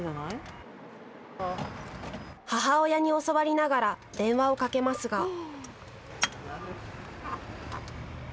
母親に教わりながら電話をかけますが。